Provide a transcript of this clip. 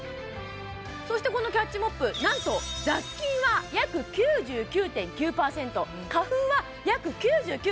そしてこのキャッチモップなんと雑菌は約９９．９％花粉は約９９．６％